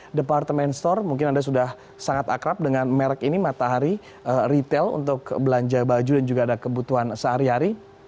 departemen store mungkin anda sudah sangat akrab dengan merek ini matahari retail untuk belanja baju dan juga ada kebutuhan sehari hari